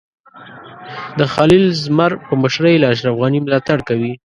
د خلیل زمر په مشرۍ له اشرف غني ملاتړ کوي.